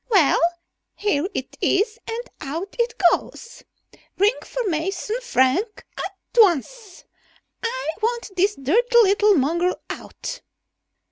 "Well, here it is and out it goes. Ring for Mason, Frank, at once. I want this dirty little mongrel out!"